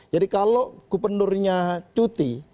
jadi kalau gubernurnya cuti